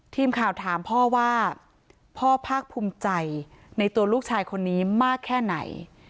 ทีมข่าวถามพ่อว่าพ่อภาคภูมิใจในตัวลูกชายคนนี้มากแค่ไหน